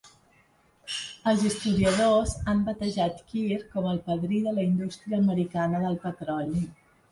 Els historiadors han batejat Kier com el "Padrí de la indústria americana del petroli".